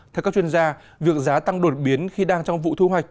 theo các chuyên gia việc giá tăng đột biến khi đang trong vụ thu hoạch